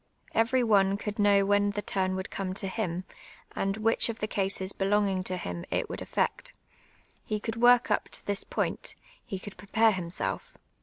Kver}' one could know when the turn would come to him, and which of the cases helonj^ing to him it would allect ; he could work uj) to this ])()iut, — he co\ild ])rc|)are himself.